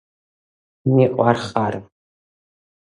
მიყვარხარა